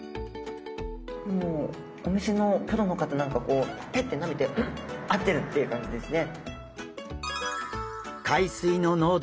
もうお店のプロの方なんかこうペッてなめて「うん！合ってる」っていう感じですね。